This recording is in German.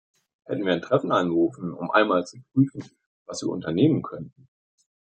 Hätten wir ein Treffen einberufen, um einmal zu prüfen, was wir unternehmen könnten?